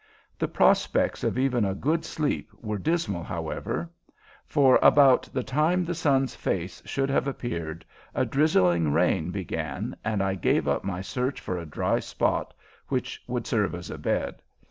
The prospects of even a good sleep were dismal, however, for about the time the sun's face should have appeared a drizzling rain began and I gave up my search for a dry spot which would serve as a bed.